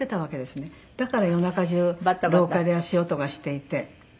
だから夜中じゅう廊下で足音がしていて。